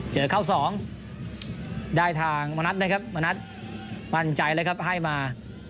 เจอเข้าสองได้ทางมณัฐนะครับมณัฐมั่นใจเลยครับให้มา